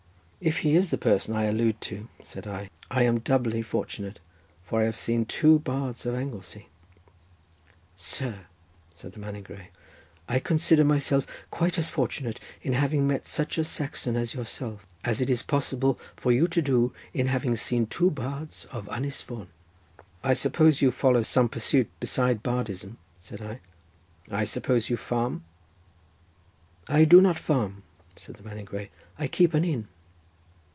"If he is the person I allude to," said I, "I am doubly fortunate, for I have seen two bards of Anglesey." "Sir," said the man in grey, "I consider myself quite as fortunate in having met such a Saxon as yourself, as it is possible for you to do, in having seen two bards of Ynis Fon." "I suppose you follow some pursuit besides bardism?" said I; "I suppose you farm?" "I do not farm," said the man in grey, "I keep an inn."